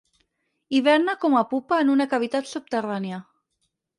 Hiverna com a pupa en una cavitat subterrània.